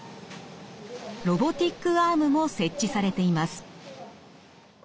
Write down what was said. ロボティックアームも設置されています。